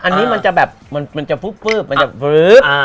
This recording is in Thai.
อันนี้มันจะแบบมันจะฟืบมันจะฟื้อ